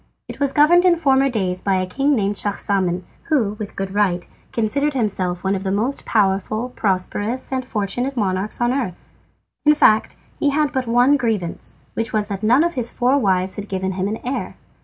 It was governed in former days by a king named Schahzaman, who, with good right, considered himself one of the most peaceful, prosperous, and fortunate monarchs on the earth. In fact, he had but one grievance, which was that none of his four wives had given him an heir.